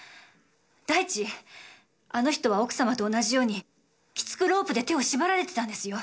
第一あの人は奥様と同じようにきつくロープで手を縛られてたんですよ？